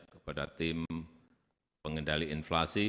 kepada tim pengendali inflasi